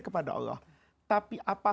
kepada allah tapi apa